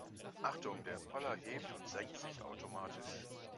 Achtung, der Poller hebt und senkt sich automatisch.